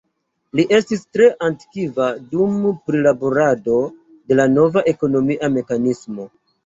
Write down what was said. Li estis tre aktiva dum prilaborado de la nova ekonomia mekanismo.